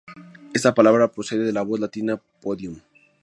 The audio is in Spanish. Esta palabra procede de la voz latina “podium".